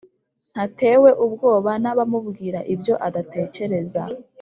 Ntatewe ubwoba n’abamubwira ibyo adatekereza